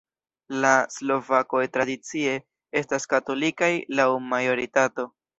La slovakoj tradicie estas katolikaj laŭ majoritato.